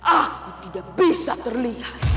aku tidak bisa terlihat